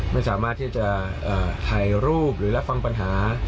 ไม่สามารถที่จะถ่ายรูปหรือรับฟังปัญหา